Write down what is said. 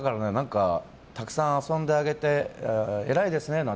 たくさん遊んであげて偉いですねなんて